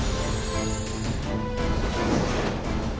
กลับจากเยอรมน์